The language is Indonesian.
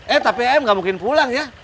eh tapi m gak mungkin pulang ya